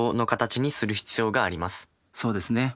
そうですね。